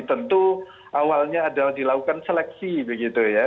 tentu awalnya adalah dilakukan seleksi begitu ya